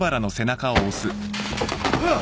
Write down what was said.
あっ